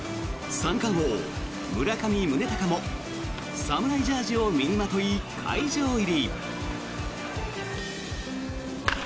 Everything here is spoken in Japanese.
三冠王、村上宗隆も侍ジャージーを身にまとい会場入り。